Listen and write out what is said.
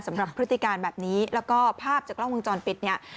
สำหรับพฤติการแบบนี้แล้วก็ภาพจากกล้องมือจอนปิดเนี้ย